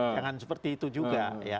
jangan seperti itu juga